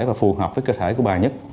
và phù hợp với cơ thể của bà nhất